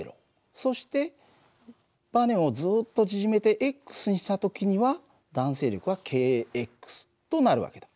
そしてバネをずっと縮めてにした時には弾性力はｋとなる訳だ。